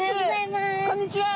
こんにちは。